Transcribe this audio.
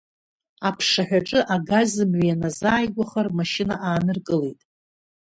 Аԥшаҳәаҿы, агаз мҩа ианазааигәаха рмашьына ааныркылеит.